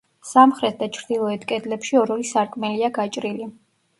სამხრეთ და ჩრდილოეთ კედლებში ორ-ორი სარკმელია გაჭრილი.